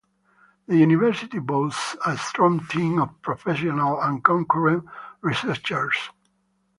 The university boasts a strong team of professional and concurrent researchers.